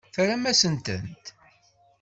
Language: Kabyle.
Terram-asent-tent.